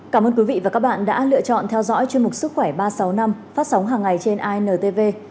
cảm ơn quý vị và các bạn đã lựa chọn theo dõi chương mục sức khỏe ba trăm sáu mươi năm phát sóng hàng ngày trên intv